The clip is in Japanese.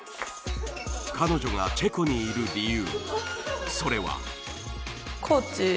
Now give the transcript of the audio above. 彼女がチェコにいる理由